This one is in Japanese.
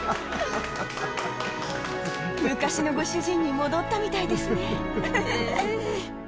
昔のご主人に戻ったみたいでええ。